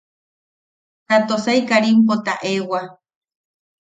Ta Tosai Karimpo taʼewa.